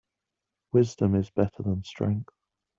Wisdom is better than strength.